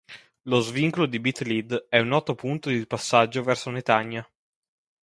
Lo svincolo di Beit Lid è un noto punto di passaggio verso Netanya.